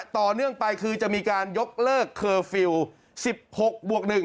ต่อเนื่องไปคือจะมีการยกเลิกเคอร์ฟิลล์๑๖บวก๑